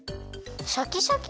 シャキシャキ？